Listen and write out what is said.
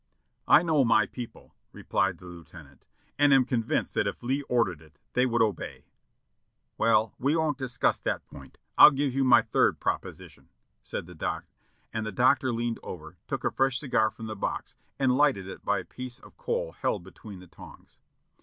"I know my people," replied the Lieutenant, "and am con vinced that if Lee ordered it, they would obey." "Well, we won't discuss that point. I'll give you my third prop osition," and the Doctor leaned over, took a fresh cigar from the box and lighted it by a piece of coal held between the tongs.